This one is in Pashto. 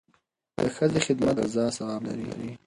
د ښځې خدمت د غزا ثواب لري.